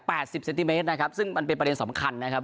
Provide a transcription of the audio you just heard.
สิบเซนติเมตรนะครับซึ่งมันเป็นประเด็นสำคัญนะครับ